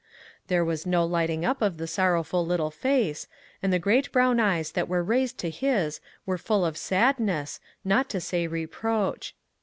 There was no lighting up of the sorrowful little face, and the great brown eyes that were raised to his were full of sadness, not to say reproach.